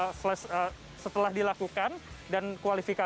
dan kualifikasi juga sudah selesai jadi saya ingin mengambil waktu untuk mencoba